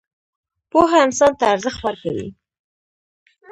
پوهه انسان ته ارزښت ورکوي